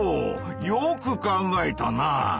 よく考えたな。